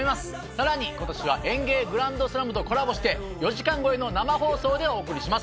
更に今年は「ＥＮＧＥＩグランドスラム」とコラボして４時間超えの生放送でお送りします。